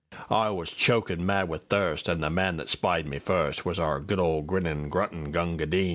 I was chokin' mad with thirst, An' the man that spied me firstWas our good old grinnin', gruntin' Gunga Din.